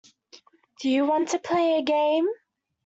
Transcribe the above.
Do you want to play a game?